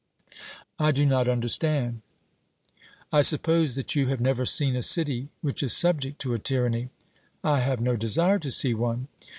'I do not understand.' I suppose that you have never seen a city which is subject to a tyranny? 'I have no desire to see one.'